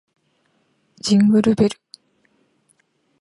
ジングルベル